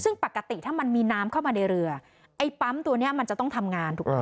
ซึ่งปกติถ้ามันมีน้ำเข้ามาในเรือไอ้ปั๊มตัวนี้มันจะต้องทำงานถูกต้อง